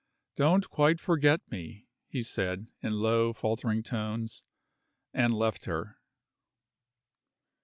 "Don't quite forget me," he said, in low, faltering tones and left her.